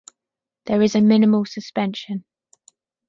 There is a minimal suspension.